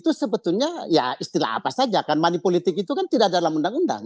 itu sebetulnya ya istilah apa saja kan money politik itu kan tidak dalam undang undang